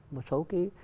một số cái